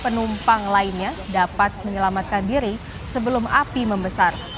penumpang lainnya dapat menyelamatkan diri sebelum api membesar